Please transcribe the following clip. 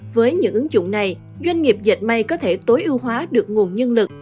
với những ứng dụng này doanh nghiệp dịch may có thể tối ưu hóa được nguồn nhân lực